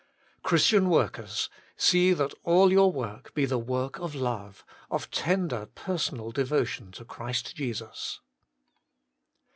Christian workers, see that all your work be the work of love, of tender personal devotion to Christ Jesus.